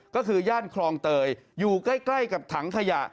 ก็คือย่านคลองเตยอยู่ใกล้กับถังขยะ